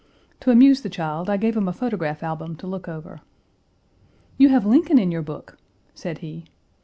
To amuse the child I gave him a photograph album to look over. "You have Lincoln in your book!" said he.